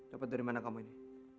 dapat dari mana kamu ini